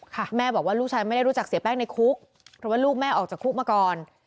แม่บอกว่าลูกชายไม่ได้รู้จักเสียแป้งในคุกเพราะว่าลูกแม่ออกจากคุกมาก่อน